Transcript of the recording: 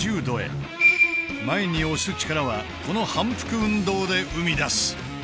前に押す力はこの反復運動で生み出す。